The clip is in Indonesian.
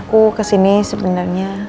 aku kesini sebenarnya